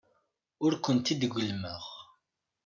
Ur kent-id-gellmeɣ.